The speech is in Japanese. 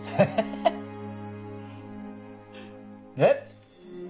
えっ！